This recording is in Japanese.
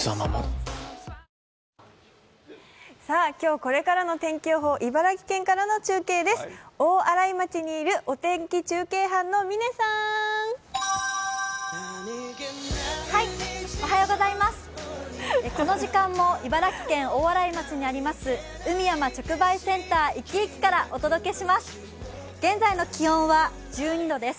この時間も茨城県大洗町にあります、海・山直売センターいきいきからお届けします。